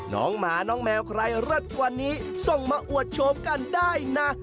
น้องหมาน้องแมวใครเลิศกว่านี้ส่งมาอวดโฉมกันได้นะ